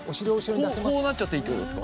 こうなっちゃっていいってことですか？